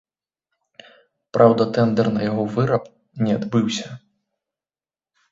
Праўда, тэндар на яго выраб не адбыўся.